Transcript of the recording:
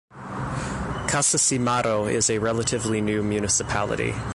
Casasimarro is a relatively new municipality.